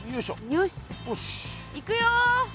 よしいくよ。